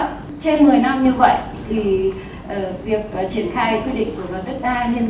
thì việc triển khai quy định của đất đai liên quan đến gia hạn hai mươi bốn tháng và thung hồi này